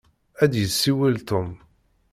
Ad d-yessiwel Tom.